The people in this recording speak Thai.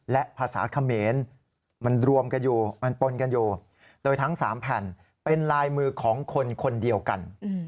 และภาษาเขมรมันรวมกันอยู่มันปนกันอยู่โดยทั้ง๓แผ่นเป็นลายมือของคนคนเดียวกัน